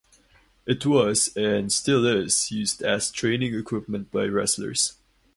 It was and still is used as training equipment by wrestlers.